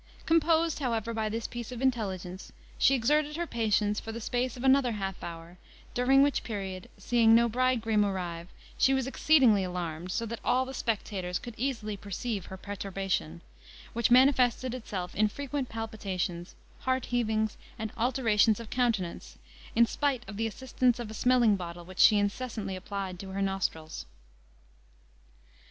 Composed, however, by this piece of intelligence, she exerted her patience for the space of another half hour, during which period, seeing no bridegroom arrive, she was exceedingly alarmed; so that all the spectators could easily perceive her perturbation, which manifested itself in frequent palpitations, heart heavings, and alterations of countenance, in spite of the assistance of a smelling bottle which she incessantly applied to her nostrils.